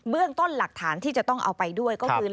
เรื่องต้นหลักฐานที่จะต้องเอาไปด้วยก็คือ